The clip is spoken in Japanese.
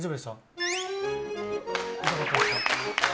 痛かったですか？